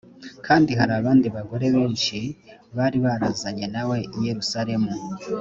kandi hari abandi bagore benshi bari barazanye na we i yerusalemu